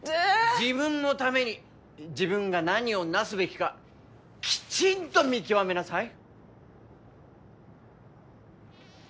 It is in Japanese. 自分のために自分が何をなすべきかきちんと見極めなさい。